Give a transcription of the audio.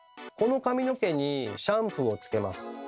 この髪の毛にシャンプーをつけます。